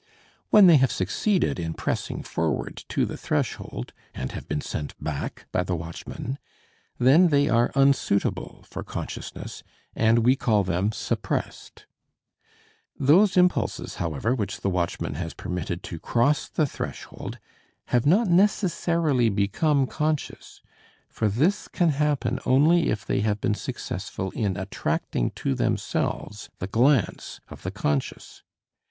When they have succeeded in pressing forward to the threshold, and have been sent back by the watchman, then they are unsuitable for consciousness and we call them suppressed. Those impulses, however, which the watchman has permitted to cross the threshold have not necessarily become conscious; for this can happen only if they have been successful in attracting to themselves the glance of the conscious.